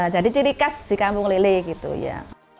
jadi ciri khas di kampung lele gitu ya